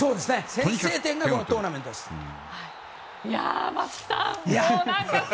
先制点がこのトーナメントです。